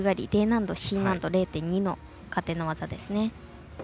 Ｄ難度、Ｃ難度０．２の加点の技。